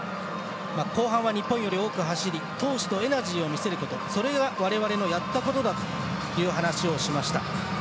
後半は日本より多く走り闘志とエナジーを見せることそれが我々のやったことだと話をしました。